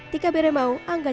tika beri mau angkatlah